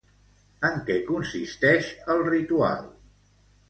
En què consisteix el ritual?